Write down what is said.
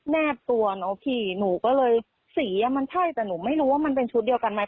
แบบตัวเนอะพี่หนูก็เลยสีอ่ะมันใช่แต่หนูไม่รู้ว่ามันเป็นชุดเดียวกันไหม